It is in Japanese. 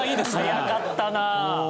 早かったなあ。